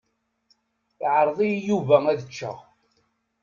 Iɛreḍ-iyi Yuba ad ččeɣ.